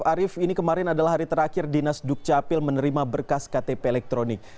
arief ini kemarin adalah hari terakhir dinas dukcapil menerima berkas ktp elektronik